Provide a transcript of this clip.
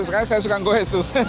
sekarang saya suka goes tuh